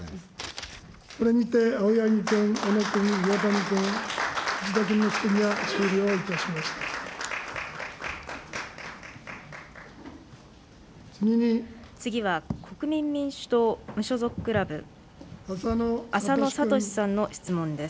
これにて青柳君、小野君、岩谷君、次は、国民民主党・無所属クラブ、浅野哲さんの質問です。